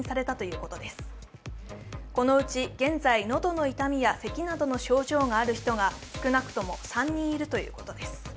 このうち現在、喉の痛みやせきなどの症状がある人が少なくとも３人いるということです